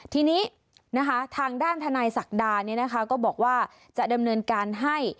ทีนี้นะคะทางด้านทนายศักดาก็บอกว่าจะดำเนินการให้